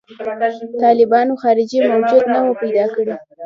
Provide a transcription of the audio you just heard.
طالبانو خارجي وجود نه و پیدا کړی.